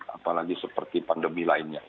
apalagi seperti pandemi lainnya